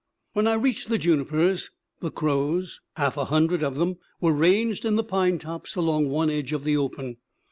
When I reached the junipers, the crows half a hundred of them were ranged in the pine tops along one edge of the open.